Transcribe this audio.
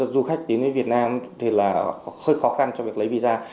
du khách đến việt nam thì là hơi khó khăn cho việc lấy visa